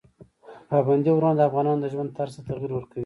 پابندي غرونه د افغانانو د ژوند طرز ته تغیر ورکوي.